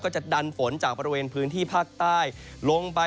จะดันฝนจากบริเวณพื้นที่ภาคใต้ลงไป